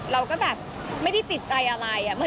เราก็แบบไม่ได้ติดใจอะไร